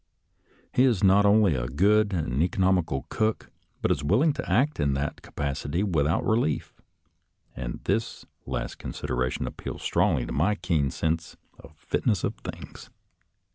He is not only a good and economical cook, but is willing to act in that capacity with out relief, and this last consideration appeals strongly to my keen sense of the fitness of things.